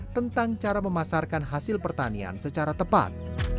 tentang cara memasarkan hasil pertanian secara tepat